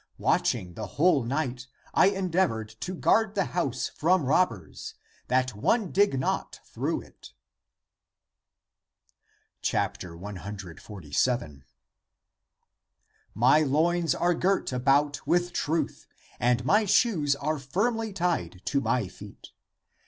Watch ing the whole night, I endeavored to guard the house from robbers, that one dig not through it. 147. <"My loins are girt about with truth, and my shoes are firmly tied to my feet.